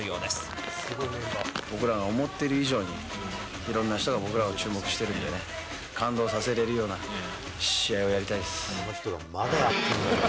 僕らが思っている以上に、いろんな人が僕らに注目してるんでね、感動させれるような試合をやりたいっす。